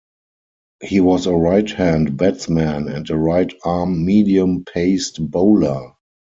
He was a right-hand batsman and a right-arm medium-paced bowler.